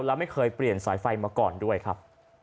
และไม่เคยเปลี่ยนสายไฟมาก่อนด้วยครับ